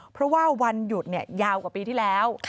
เพราะว่าวันหยุดยาวกว่าปีที่แล้ว